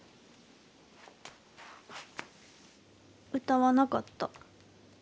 歌わなかった。